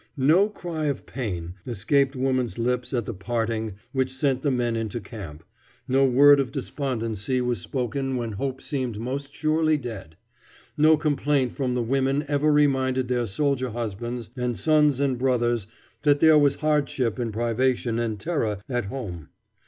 No cry of pain escaped woman's lips at the parting which sent the men into camp; no word of despondency was spoken when hope seemed most surely dead; no complaint from the women ever reminded their soldier husbands and sons and brothers that there was hardship and privation and terror at home.